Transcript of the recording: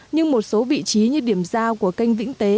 nhưng một số vị trí như điểm giao của canh vĩnh tế